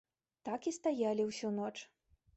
Так і стаялі ўсю ноч.